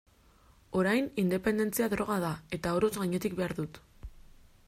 Orain, independentzia droga da, eta oroz gainetik behar dut.